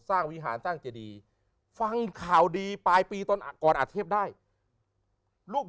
วิหารสร้างเจดีฟังข่าวดีปลายปีตอนก่อนอาเทพได้ลูก